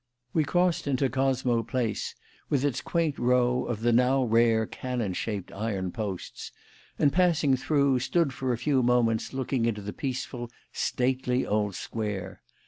We crossed into Cosmo Place, with its quaint row of the, now rare, cannon shaped iron posts, and passing through stood for a few moments looking into the peaceful, stately old square.